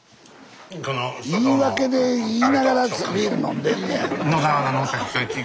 言い訳で言いながらビール飲んでんねや。